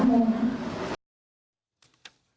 ไม่ใช่ถึงวึกวึกหรือว่าเราก็กลับบ้าน